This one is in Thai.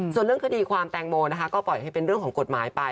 ส่วนเรื่องคดีความแตงโมนะคะก็ปล่อยให้เป็นเรื่องของกฎหมายไป